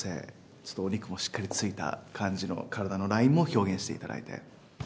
ちょっとお肉もしっかりついた感じの体のラインも表現していただいて。